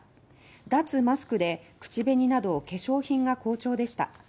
「脱・マスク」で口紅などを化粧品が好調でした。